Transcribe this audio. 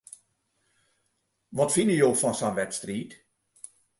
Wat fine jo fan sa'n wedstriid?